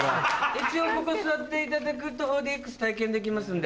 一応ここ座っていただくと４ＤＸ体験できますんで。